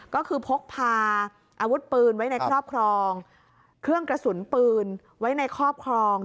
ก็คือพกพาอาวุธปืนไว้ในครอบครองเครื่องกระสุนปืนไว้ในครอบครอง